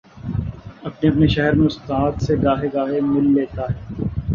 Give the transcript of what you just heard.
اپنے اپنے شہر میں استاد سے گاہے گاہے مل لیتا ہے۔